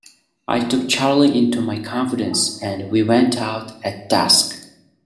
I took Charley into my confidence, and we went out at dusk.